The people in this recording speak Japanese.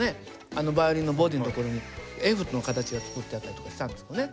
あのバイオリンのボディーのところにｆの形が作ってあったりとかしてあるんですけどね。